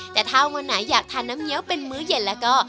แต่ถ้าวันไหนอยากทานน้ำเงี้ยวเป็นมื้อเย็นแล้วก็